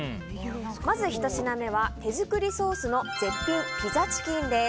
まず１品目は手づくりソースの絶品ピザチキンです。